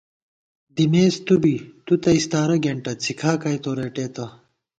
دِمېس تُو بی تُو تہ اَستارہ گېنٹېسہ څھِکا کھائی تو رېٹېتہ